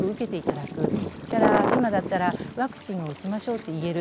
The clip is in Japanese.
それから今だったらワクチンを打ちましょうって言える。